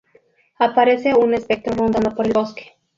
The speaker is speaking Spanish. Aparece un espectro rondando por el bosque.